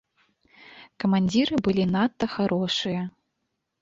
Камандзіры былі надта харошыя.